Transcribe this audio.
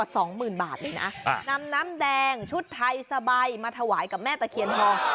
สุดท้าย